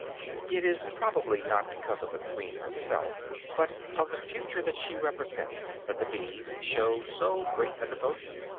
It is probably not because of the queen herself, but of the future that she represents, that the bees show so great a devotion.